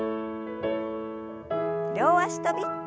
両脚跳び。